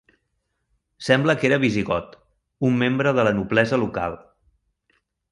Sembla que era visigot, un membre de la noblesa local.